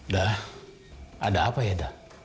dah ada apa ya da